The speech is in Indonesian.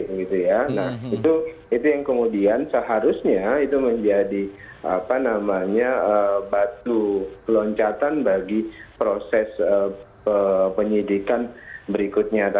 nah itu yang kemudian seharusnya itu menjadi batu loncatan bagi proses penyidikan berikutnya